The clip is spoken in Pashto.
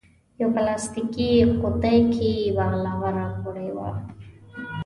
یوه پلاستیکي قوتۍ کې بغلاوه راوړې وه.